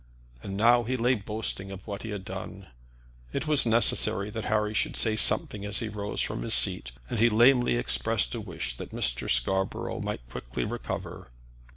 And now he lay boasting of what he had done. It was necessary that Harry should say something as he rose from his seat, and he lamely expressed a wish that Mr. Scarborough might quickly recover.